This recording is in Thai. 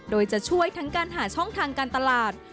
โดยจะช่วยทั้งการหาช่องทางการตลาด